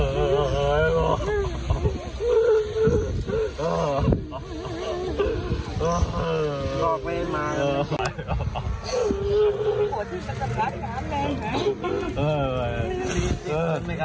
ใจกล้ามมากมันเกิน๓๐นาที